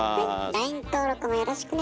ＬＩＮＥ登録もよろしくね。